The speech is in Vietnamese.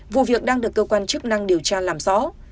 vụ việc đang được cơ quan chức năng điều tra làm rõ